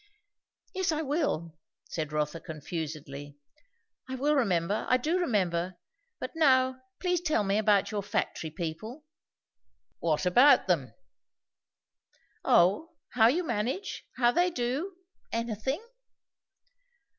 "Yes, I will," said Rotha confusedly "I will remember; I do remember, but now please tell me about your factory people." "What about them?" "O, how you manage; how they do; anything!"